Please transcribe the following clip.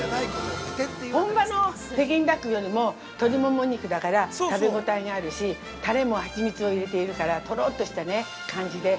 本場の北京ダックよりも鶏もも肉だから食べ応えあるし、タレも、蜂蜜を入れているからとろっとしたね、感じで。